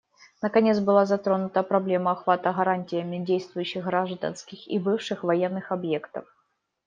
Наконец, была затронута проблема охвата гарантиями действующих гражданских и бывших военных объектов.